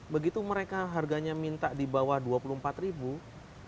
begitu mereka harganya minta di bawah rp dua puluh empat ribu